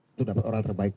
untuk dapat orang terbaik